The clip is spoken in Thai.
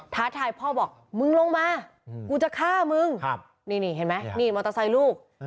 ท้าทายพ่อบอกมึงลงมากูจะฆ่ามึงนี่เห็นไหมนี่มอเตอร์ไซค์ลูก